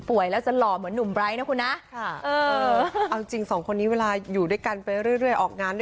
ก็เลยช่วงนี้ก็จะเน้นเข้าฟิตเน็ตกันอยู่ทั้งคู่เลยครับ